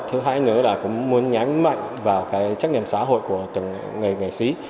thứ hai nữa là cũng muốn nhắn mạnh vào cái trách nhiệm xã hội của từng người nghệ sĩ